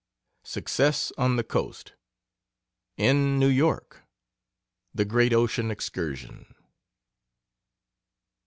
SUCCESS ON THE COAST. IN NEW YORK. THE GREAT OCEAN EXCURSION.